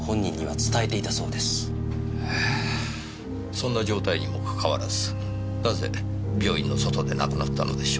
そんな状態にもかかわらずなぜ病院の外で亡くなったのでしょう？